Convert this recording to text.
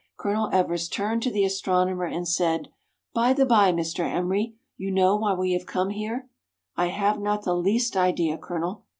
Colonel Everest turned to the astro nomer, and said, —" By the bye, Mr. Emery, you know why we have come here?" " I have not the least idea, Colonel."